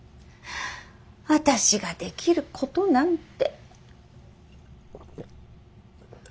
私ができることなんて。